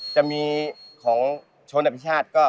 จะมีของชนอภิชาติก็